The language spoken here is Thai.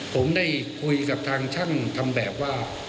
ผมได้คุยกับทางช่างทำแบบว่า